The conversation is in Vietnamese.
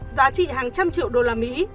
giá trị hàng trăm triệu đô la mỹ